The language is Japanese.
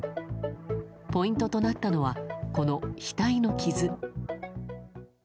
ポイントとなったのはこの額の傷。